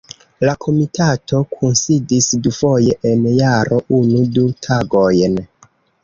La Komitato kunsidis dufoje en jaro, unu-du tagojn.